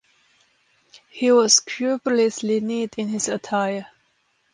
He was scrupulously neat in his attire.